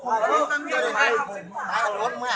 กลับมาเช็ดตาของมอง